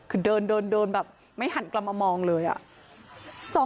คือเดินเดินแบบไม่หันกลับมามองเลยอะ